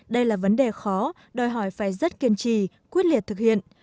đây là vấn đề khó đòi hỏi phải rất kiên trì quyết liệt thực hiện